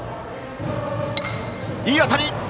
いい当たり！